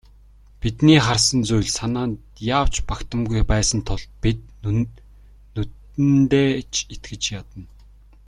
Бидний харсан зүйл санаанд яавч багтамгүй байсан тул бид нүдэндээ ч итгэж ядна.